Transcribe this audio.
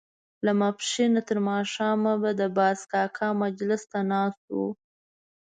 له ماسپښينه تر ماښامه به د باز کاکا مجلس ته ناست وو.